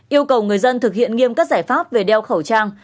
bốn yêu cầu người dân thực hiện nghiêm cất giải pháp về đeo khẩu trang